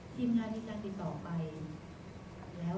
ทีมงานมีการติดต่อไปแล้ว